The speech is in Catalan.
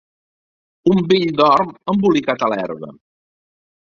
Un vell dorm embolicat a l'herba